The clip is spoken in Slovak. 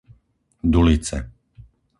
Dulice